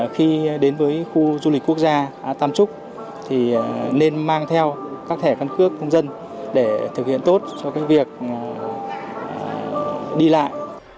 khi đến với khu du lịch quốc gia tam trúc thì nên mang theo các thẻ căn cước công dân để thực hiện tốt cho việc đi lại